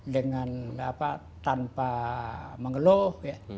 dengan tanpa mengeluh